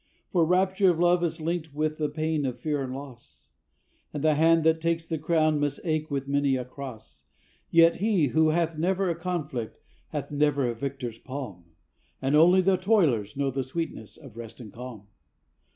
For rapture of love is linked with the pain or fear of loss, And the hand that takes the crown must ache with many a cross; Yet he who hath never a conflict hath never a victor's palm, And only the toilers know the sweetness of rest and calm.